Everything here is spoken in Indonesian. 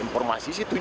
informasi sih tujuh